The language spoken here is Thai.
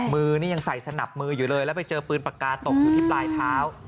มือนี่ยังใส่สนับมืออยู่เลยแล้วไปเจอปืนปากกาตกอยู่ที่ปลายเท้า